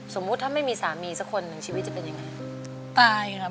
สมมุติถ้าไม่มีสามีสักคนหนึ่งชีวิตจะเป็นยังไงตายครับ